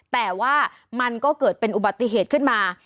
แต่ว่ามันก็เกิดเป็นอุบัติเหตุขึ้นมา